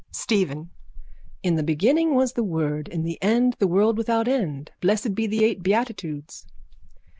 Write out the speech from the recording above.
STEPHEN: In the beginning was the word, in the end the world without end. Blessed be the eight beatitudes.